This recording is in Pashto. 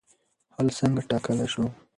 حل څنګه ټاکل شو؟